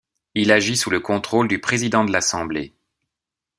Il agit sous le contrôle du Président de l'Assemblée.